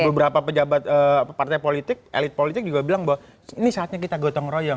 beberapa pejabat partai politik elit politik juga bilang bahwa ini saatnya kita gotong royong